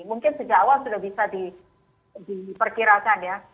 mungkin sejak awal sudah bisa diperkirakan ya